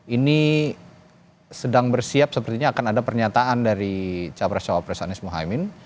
ini sedang bersiap sepertinya akan ada pernyataan dari capres cawapres anies mohaimin